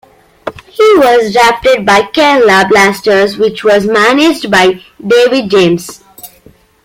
He was drafted by Kerala Blasters which was managed by David James.